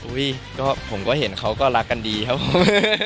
ผมก็เห็นเขาก็รักกันดีครับผม